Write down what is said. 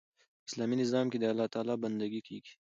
په اسلامي نظام کښي د الله تعالی بندګي کیږي.